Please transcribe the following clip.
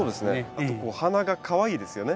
あとお花がかわいいですよね。